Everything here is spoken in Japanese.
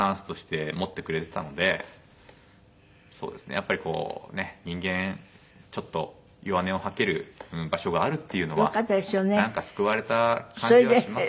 やっぱりこうね人間ちょっと弱音を吐ける場所があるっていうのはなんか救われた感じはしますね。